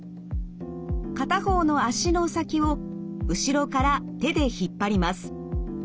片方の脚の先を後ろから手で引っ張ります。